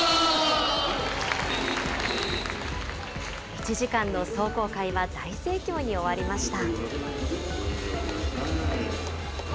１時間の壮行会は大盛況に終わりました。